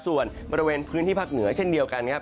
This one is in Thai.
ส่วนบริเวณพื้นที่ภาคเหนือเช่นเดียวกันครับ